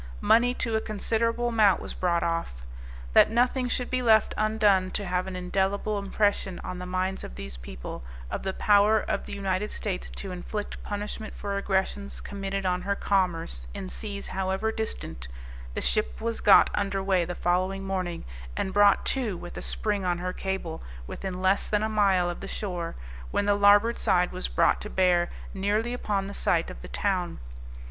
Money to a considerable amount was brought off. That nothing should be left undone to have an indelible impression on the minds of these people, of the power of the United States to inflict punishment for aggressions committed on her commerce, in seas however distant, the ship was got underway the following morning, and brought to, with a spring on her cable, within less than a mile of the shore, when the larboard side was brought to bear nearly upon the site of the town.